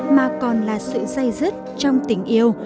mà còn là sự dây dứt trong tình yêu